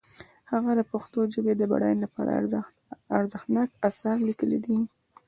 هغه د پښتو ژبې د بډاینې لپاره ارزښتناک آثار لیکلي دي.